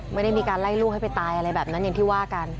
ไม่ได้มีการไล่ลูกให้ไปตายอะไรแบบนั้นอย่างที่ว่ากัน